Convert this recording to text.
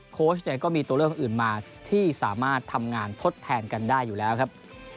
โค้ชเนี่ยก็มีตัวเลือกคนอื่นมาที่สามารถทำงานทดแทนกันได้อยู่แล้วครับ